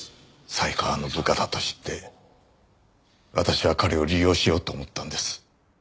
犀川の部下だと知って私は彼を利用しようと思ったんです。